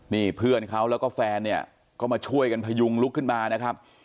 นี่เพื่อนเขาแล้วก็แฟนเนี่ยก็มาช่วยกันพยุงลุกขึ้นมานะครับ